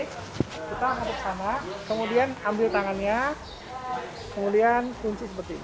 kita masuk sama kemudian ambil tangannya kemudian kunci seperti ini